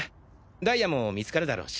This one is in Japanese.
ダイヤも見つかるだろうし。